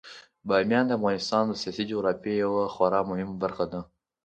بامیان د افغانستان د سیاسي جغرافیې یوه خورا مهمه برخه ده.